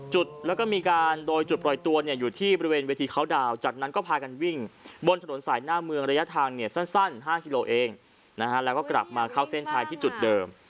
จุดแล้วก็มีการโดยจุดปล่อยตัวเนี่ยอยู่ที่บริเวณเวทีเขาดาวนจากนั้นก็พากันวิ่งบนถนนสายหน้าเมืองระยะทางเนี่ยสั้น๕กิโลเองนะฮะแล้วก็กลับมาเข้าเส้นชายที่จุดเดิม